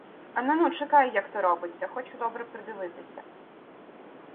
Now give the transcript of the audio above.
— Ану-ну, чекай, як то робиться — хочу добре придивитися.